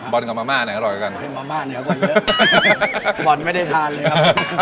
บอลกับมาม่าอันไหนอร่อยกว่ากันไม่มาม่าเนี้ยกว่าเยอะบอลไม่ได้ทานเลยครับ